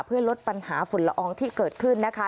เพื่อลดปัญหาฝุ่นละอองที่เกิดขึ้นนะคะ